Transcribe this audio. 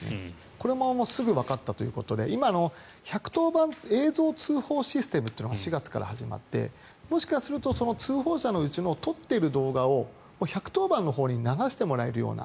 これもすぐわかったということで今、１１０番映像通報システムというのが４月から始まってもしかすると通報者のうちの撮っている動画を１１０番のほうに流してもらえるような。